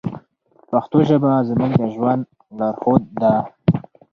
پښتو ژبه زموږ د ژوند لارښود ده.